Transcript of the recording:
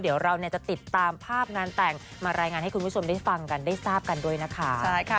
เดี๋ยวเราจะติดตามภาพงานแต่งมารายงานให้คุณผู้ชมได้ฟังกันได้ทราบกันด้วยนะคะ